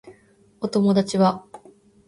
お友達は